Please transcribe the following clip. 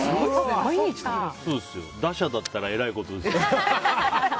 打者だったらえらいことですよ。